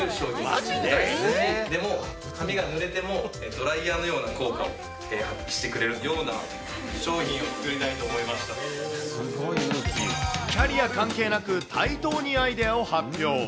外出時でも髪がぬれても、ドライヤーのような効果を発揮してくれるような商品を作りたいとキャリア関係なく、対等にアイデアを発表。